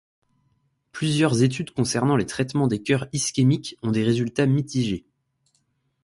Plusieurs études concernant le traitement des cœurs ischémiques ont des résultats mitigés.